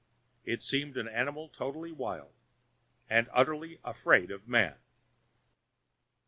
It seemed an animal totally wild, and utterly afraid of man.